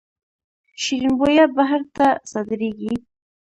شیرین بویه بهر ته صادریږي